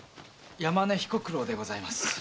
山根彦九郎でございます。